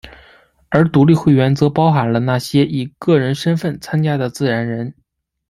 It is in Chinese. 而独立会员则包含了那些以个人身份参加的自然人。